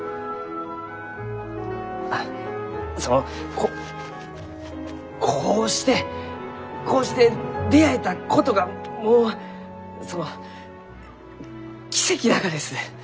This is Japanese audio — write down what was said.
あっそのこうしてこうして出会えたことがもうその奇跡ながです！